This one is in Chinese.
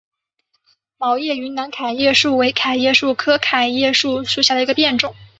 毛叶云南桤叶树为桤叶树科桤叶树属下的一个变种。